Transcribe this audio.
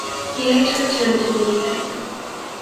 He later returned to Winnipeg.